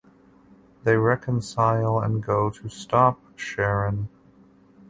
They reconcile and go to stop Sharon.